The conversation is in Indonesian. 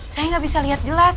saya gak bisa liat jelas